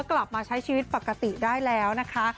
กลับมาใช้ชีวิตปกติได้แล้วนะคะ